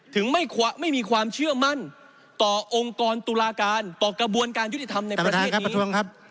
ถึงไม่มีความเชื่อมั่นต่อองค์กรตุลาการต่อกระบวนการยุติธรรมในประเทศนี้